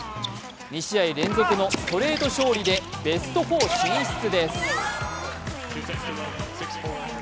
２試合連続のストレート勝利でベスト４進出です